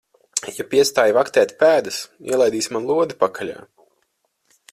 Ja piestāji vaktēt pēdas, ielaidīsi man lodi pakaļā.